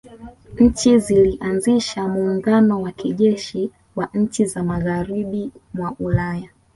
Nchi zilianzisha muungano wa kijeshi wa nchi za magharibi mwa Ulaya